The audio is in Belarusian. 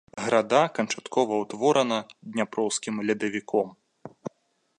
Града канчаткова ўтворана дняпроўскім ледавіком.